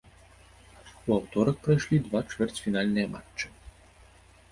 У аўторак прайшлі два чвэрцьфінальныя матчы.